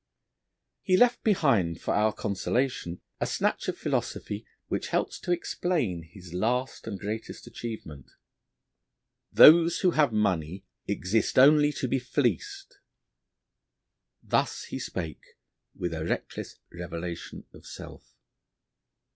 He left behind for our consolation a snatch of philosophy which helps to explain his last and greatest achievement. 'Those who have money exist only to be fleeced.' Thus he spake with a reckless revelation of self.